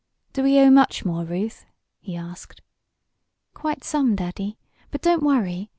"Do we owe much more, Ruth?" he asked. "Quite some, Daddy. But don't worry.